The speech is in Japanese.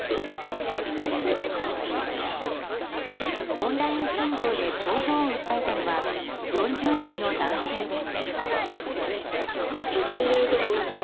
オンライン診療で症状を訴えたのは４０代の男性です。